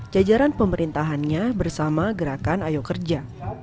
jajaran pemerintahannya bersama gerakan ayo kerja